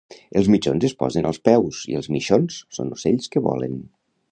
Els mitjons es posen als peus i els mixons són ocells que volen